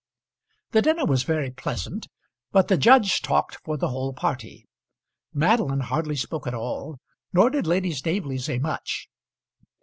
The dinner was very pleasant, but the judge talked for the whole party. Madeline hardly spoke at all, nor did Lady Staveley say much.